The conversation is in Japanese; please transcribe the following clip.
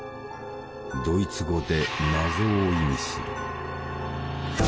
ドイツ語で「謎」を意味する。